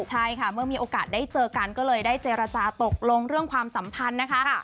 ใช่ค่ะเมื่อมีโอกาสได้เจอกันก็เลยได้เจรจาตกลงเรื่องความสัมพันธ์นะคะ